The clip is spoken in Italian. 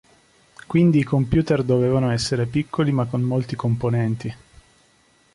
Quindi i computer dovevano essere piccoli ma con molti componenti.